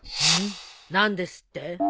うん？何ですって？